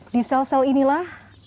di sel sel inilah